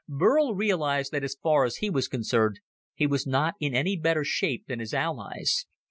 Burl realized that as far as he was concerned, he was not in any better shape than his allies.